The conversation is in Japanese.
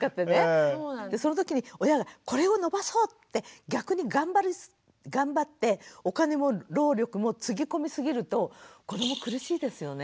その時に親がこれを伸ばそうって逆に頑張ってお金も労力もつぎ込みすぎると子ども苦しいですよね。